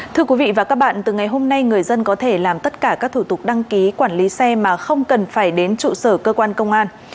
thưa quý vị và các bạn từ ngày hôm nay người dân có thể làm tất cả các thủ tục đăng ký quản lý xe mà không cần phải đến trụ sở cơ quan công an